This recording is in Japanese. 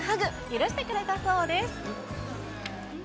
許してくれたそうです。